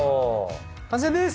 完成です！